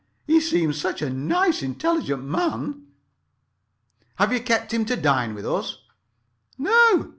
He seemed such a nice, intelligent man." "Have you kept him to dine with us?" "No.